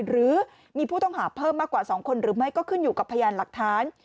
หรือมีผู้ต้องหาเพิ่มมากกว่า๒คนหรือไม่ก็ขึ้นอยู่กับพยานหลักฐาน